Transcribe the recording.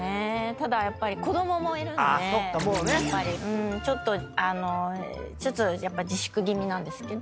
ただやっぱり子供もいるんでちょっとちょっと自粛気味なんですけど。